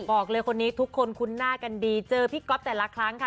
บอกเลยคนนี้ทุกคนคุ้นหน้ากันดีเจอพี่ก๊อฟแต่ละครั้งค่ะ